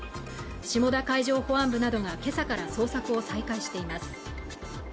下田海上保安部などがけさから捜索を再開しています